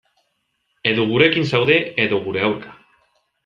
Edo gurekin zaude, edo gure aurka.